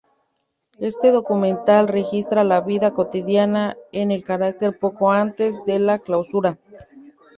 Este documental registra la vida cotidiana en la cárcel poco antes de su clausura.